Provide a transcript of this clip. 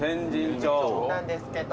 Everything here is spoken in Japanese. なんですけど。